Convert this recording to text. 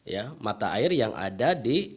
ya mata air yang ada di desa mekarsel